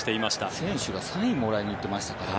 選手がサインをもらいに行ってましたからね。